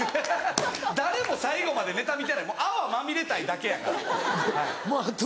誰も最後までネタ見てない泡まみれたいだけやからはい。